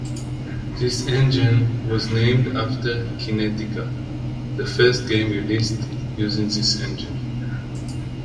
This engine was named after "Kinetica", the first game released using this engine.